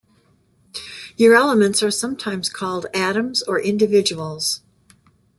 Urelements are sometimes called "atoms" or "individuals.